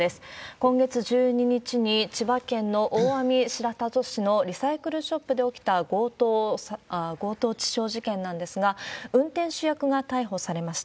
今月１２日に、千葉県の大網白里市のリサイクルショップで起きた強盗致傷事件なんですが、運転手役が逮捕されました。